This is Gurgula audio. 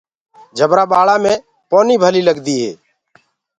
جبرآ ٻآݪآنٚ مي پونيٚ ڀليٚ لگديٚ هي۔